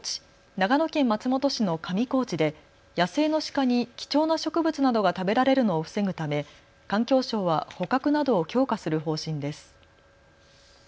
長野県松本市の上高地で野生のシカに貴重な植物などが食べられるのを防ぐため環境省は捕獲などを強化する方針です。